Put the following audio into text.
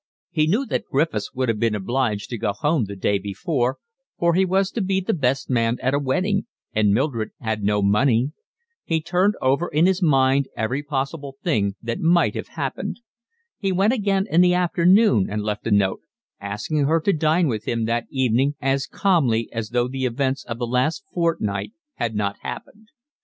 He knew that Griffiths would have been obliged to go home the day before, for he was to be best man at a wedding, and Mildred had no money. He turned over in his mind every possible thing that might have happened. He went again in the afternoon and left a note, asking her to dine with him that evening as calmly as though the events of the last fortnight had not happened.